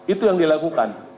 itu yang dilakukan